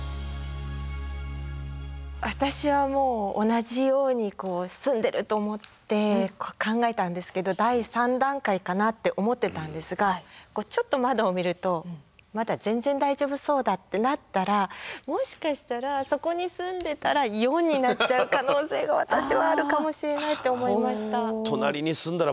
私はもう同じように住んでると思って考えたんですけど第３段階かなって思ってたんですがちょっと窓を見るとまだ全然大丈夫そうだってなったらもしかしたらそこに住んでたら４になっちゃう可能性が私はあるかもしれないって思いました。